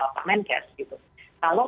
pak menkes kalau